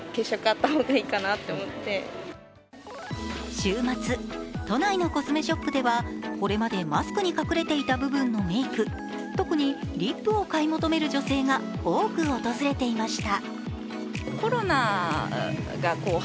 週末、都内のコスメショップではこれまでマスクに隠れていた部分のメーク、特にリップを買い求める女性が多く訪れていました。